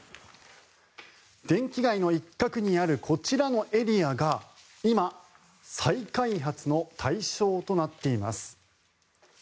電気街の一角にあるこちらのエリアが今、再開発の対象となっています。